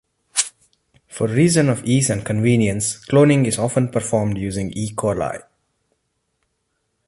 For reason of ease and convenience, cloning is often performed using "E. coli".